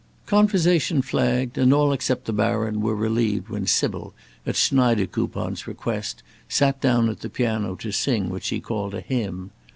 Conversation flagged, and all except the baron were relieved when Sybil, at Schneidekoupon's request, sat down at the piano to sing what she called a hymn.